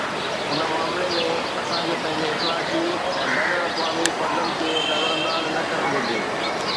ان معاملي ۾، اسان کي پنهنجي اخلاقي ۽ بين الاقوامي فرضن کي نظرانداز نه ڪرڻ گهرجي.